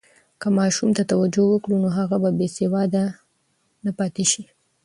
که ماشوم ته توجه وکړو، نو هغه به بې سواده نه پاتې شي.